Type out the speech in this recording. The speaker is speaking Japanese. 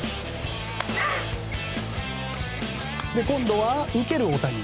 今度は、受ける大谷。